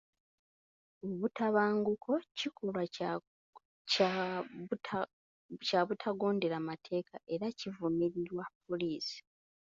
Obutabanguko kikolwa kya butagondera mateeka era kivumirirwa poliisi.